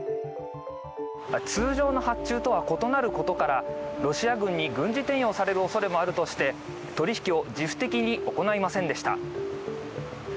通常の発注とは異なることからロシア軍に軍事転用される恐れもあるとして取引を自主的に行いませんでした。